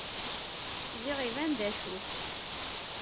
Ziɣ iban d acu-t.